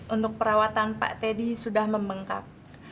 untuk perawatan pak teddy sudah membengkak